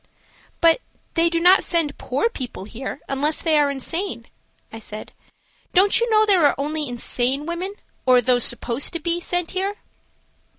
"But they do not send poor people here unless they are insane," I said. "Don't you know there are only insane women, or those supposed to be so, sent here?"